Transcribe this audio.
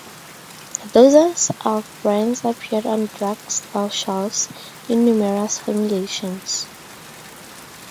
Dozens of brands appeared on drugstore shelves, in numerous formulations.